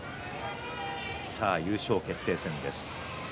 さあ優勝決定戦です。